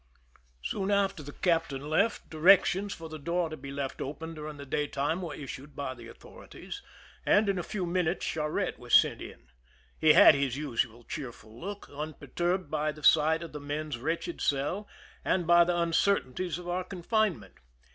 Soon after the captain left, directions for the door to be left open during the daytime were issued by the authorities, and in a few minutes Charette was sent in. He had his usual cheerful look, un perturbed by the sight of the men's wretched cell and by the uncertainties of our confinement.